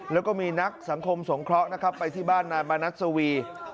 แล้วก็มีนักสังคมสงเคราะห์นะครับไปที่บ้านนายมานัสสวี